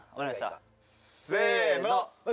せの！